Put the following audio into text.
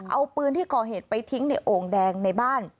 เอาปืนที่ก่อเหตุไปทิ้งในโอ่งแดงในบ้าน